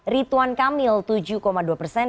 rituan kamil tujuh dua persen